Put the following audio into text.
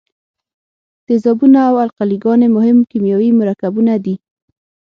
تیزابونه او القلي ګانې مهم کیمیاوي مرکبونه دي.